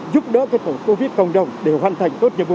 giúp đỡ cái tổ covid cộng đồng để hoàn thành tốt nhiệm vụ